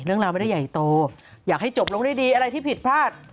เรื่องราวไม่ได้ใหญ่โตอยากให้จบลงด้วยดีอะไรที่ผิดพลาด